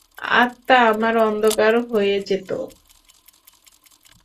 আত্মা আমার অন্ধকার হয়ে যেত।